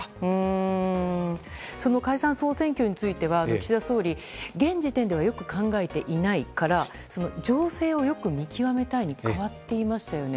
その解散・総選挙については岸田総理現時点ではよく考えていないから情勢をよく見極めたいに変わっていましたよね。